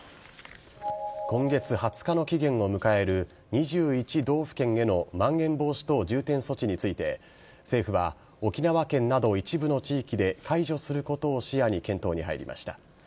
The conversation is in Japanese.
今月２０日の期限を迎える２１道府県へのまん延防止等重点措置について、政府は、沖縄県など一部の地域で、解除することを視野に検討に入りました。